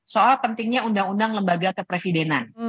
soal pentingnya undang undang lembaga kepresidenan